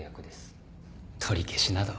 取り消しなど。